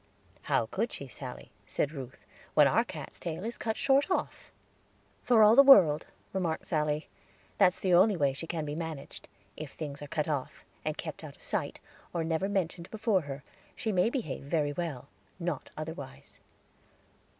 "How could she, Sally," said Ruth, "when our cat's tail is cut short off?" "For all the world," remarked Sally, "that's the only way she can be managed. If things are cut off, and kept out of sight, or never mentioned before her, she may behave very well; not otherwise."